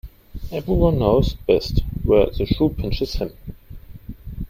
Every one knows best where the shoe pinches him.